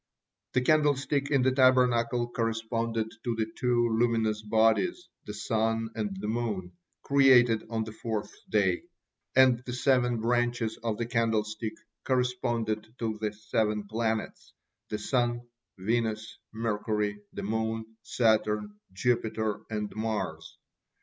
The candlestick in the Tabernacle corresponded to the two luminous bodies, the sun and the moon, created on the fourth day; and the seven branches of the candlestick corresponded to the seven planets, the Sun, Venus, Mercury, the Moon, Saturn, Jupiter, and Mars.